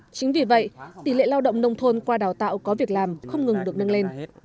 chính vì vậy tỷ lệ lao động nông thôn qua đào tạo có việc làm không ngừng được nâng lên